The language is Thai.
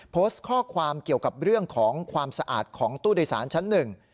โพสต์ข้อความเกี่ยวกับเรื่องของความสะอาดของตู้โดยสารชั้นหนึ่ง